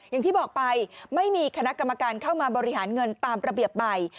อย่างที่บอกไปไม่มีคณะกรรมการเข้ามาบริหารเงินตามระเบียบใหม่